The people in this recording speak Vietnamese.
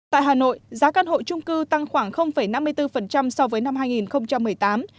tại hà nội giá căn hộ trung cư tăng khoảng năm mươi bốn so với năm hai nghìn một mươi tám